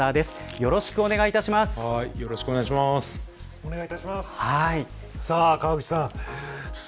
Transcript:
よろしくお願いします